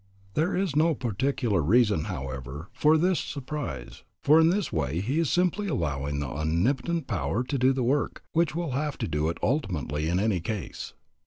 There is no particular reason, however, for this surprise, for in this way he is simply allowing the Omnipotent Power to do the work, which will have to do it ultimately in any case.